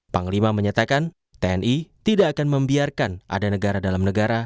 panglima menyatakan tni tidak akan membiarkan ada negara dalam negara